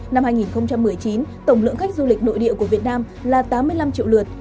năm hai nghìn một mươi chín tổng lượng khách du lịch nội địa của việt nam là tám mươi năm triệu lượt